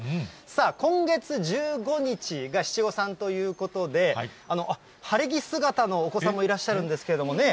さあ、今月１５日が七五三ということで、あっ、晴れ着姿のお子さんもいらっしゃるんですけどもね。